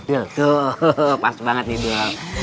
tuh pas banget nih dul